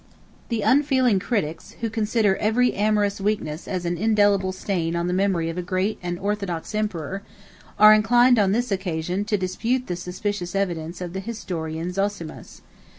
The unfeeling critics, who consider every amorous weakness as an indelible stain on the memory of a great and orthodox emperor, are inclined, on this occasion, to dispute the suspicious evidence of the historian Zosimus.